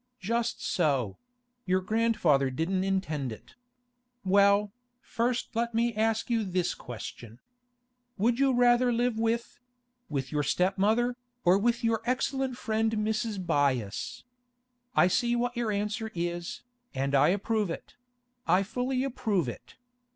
Just so; your grandfather didn't intend it. Well, first let me ask you this question. Would you rather live with—with your stepmother, or with your excellent friend Mrs. Byass? I see what your answer is, and I approve it; I fully approve it.